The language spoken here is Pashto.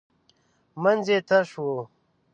منځ یې تش و .